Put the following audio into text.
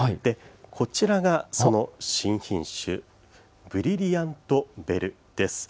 こちらがその新品種、ブリリアント・ベルです。